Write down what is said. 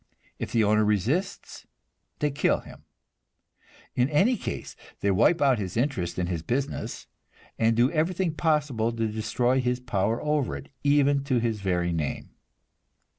If the owner resists, they kill him; in any case, they wipe out his interest in the business, and do everything possible to destroy his power over it, even to his very name.